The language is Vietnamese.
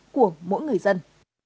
của mỗi người dân